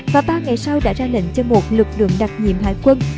và ba ngày sau đã ra lệnh cho một lực lượng đặc nhiệm hải quân